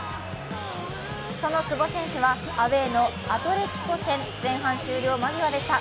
その久保選手はアウェーのアトレチコ戦、前半終了間際でした。